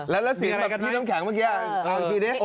แล้วสิ่งแบบพี่น้ำแข็งเมื่อกี้เอาอีกนิดนึง